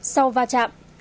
sau va chạm